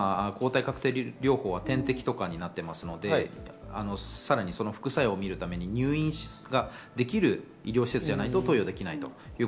抗体カクテル療法は点滴となってますので、その副作用を見るために入院できる施設じゃないと投与できないと。